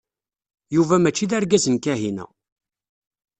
Yuba mačči d argaz n Kahina.